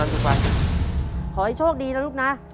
ขอให้โชคดีนะลูกนะ